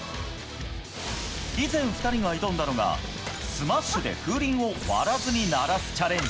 以前２人が挑んだのがスマッシュで風鈴を割らずに鳴らすチャレンジ。